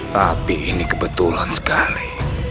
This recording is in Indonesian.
tapi ini kebetulan sekali